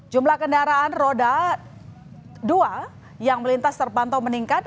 jumlah kendaraan roda dua yang melintas terpantau meningkat